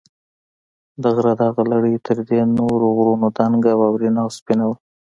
د غره دغه لړۍ تر دې نورو غرونو دنګه، واورینه او سپینه وه.